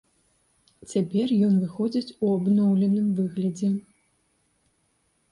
Цяпер ён выходзіць у абноўленым выглядзе.